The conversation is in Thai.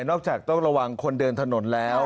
จากต้องระวังคนเดินถนนแล้ว